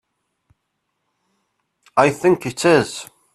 I think it is.